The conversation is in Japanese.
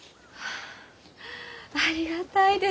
あありがたいです。